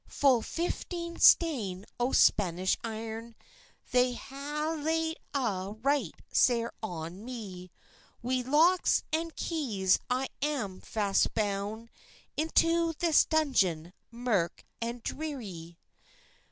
"Full fifteen stane o Spanish iron, They hae laid a' right sair on me; Wi locks and keys I am fast bound Into this dungeon mirk and drearie."